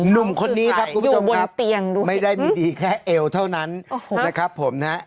หนุ่มคนนี้ครับคุณผู้ชมครับไม่ได้มีดีแค่เอวเท่านั้นนะครับผมนะฮะ